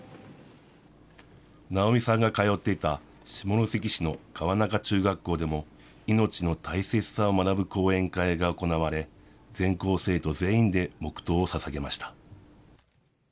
直美さんが通っていた下関市の川中中学校でも、命の大切さを学ぶ講演会が行われ、全校生徒全員で黙とうをささげました。